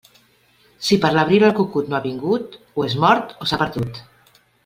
Si per l'abril el cucut no ha vingut, o és mort o s'ha perdut.